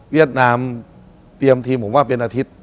นามเตรียมทีมผมว่าเป็นอาทิตย์